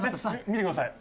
見てください。